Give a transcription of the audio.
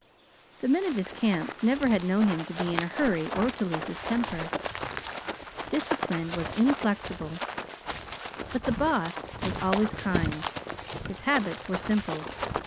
The men of his camps never had known him to be in a hurry or to lose his temper. Discipline was inflexible, but the Boss was always kind. His habits were simple.